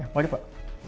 ya mari pak